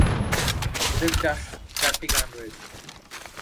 এতে চারটি গান রয়েছে।